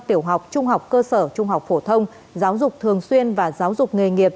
tiểu học trung học cơ sở trung học phổ thông giáo dục thường xuyên và giáo dục nghề nghiệp